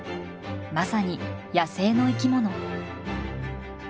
まさに野生の生き物。